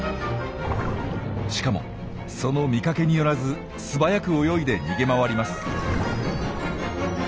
しかもその見かけによらず素早く泳いで逃げ回ります。